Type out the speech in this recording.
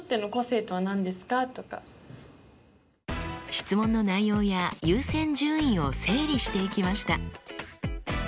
質問の内容や優先順位を整理していきました。